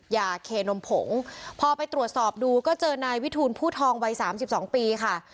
ยาเคนมผงพอไปตรวจสอบดูก็เจอนายวิทูลผู้ทองวัยสามสิบสองปีค่ะ